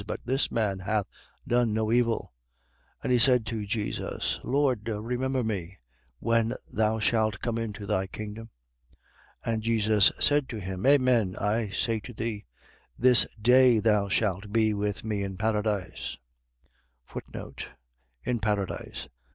But this man hath done no evil. 23:42. And he said to Jesus: Lord, remember me when thou shalt come into thy kingdom. 23:43. And Jesus said to him: Amen I say to thee: This day thou shalt be with me in paradise. In paradise.